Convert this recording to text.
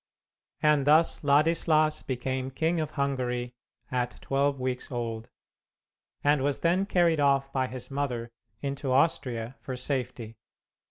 And thus Ladislas became King of Hungary at twelve weeks old, and was then carried off by his mother into Austria for safety.